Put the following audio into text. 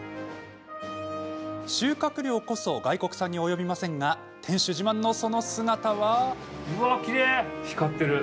収穫量こそ外国産に及びませんが店主自慢のその姿は。